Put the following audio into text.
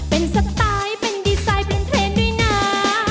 เป็นสไตล์เป็นดีไซน์เป็นเทรนด์ด้วยนะ